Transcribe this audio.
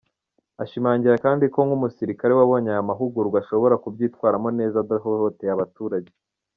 Ashimangira kandi ko nk’umusirikare wabonye aya mahugurwa ashobora kubyitwaramo neza adahohoteye abaturage.